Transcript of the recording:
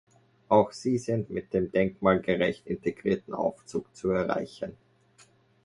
Auch sie sind mit dem denkmalgerecht integrierten Aufzug zu erreichen.